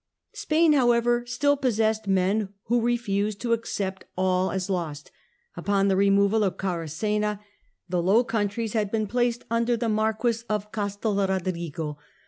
Spain however still possessed men who refused to accept all as lost. Upon the removal of Caracena, the Castd Low Countries had been placed under the Mar fteJLow m quis of Castel Rodrigo.